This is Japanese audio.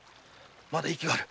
まだ息はある。